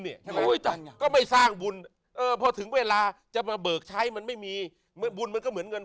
ใช่ไหมก็ไม่สร้างบุญเออพอถึงเวลาจะมาเบิกใช้มันไม่มีบุญมันก็เหมือนเงิน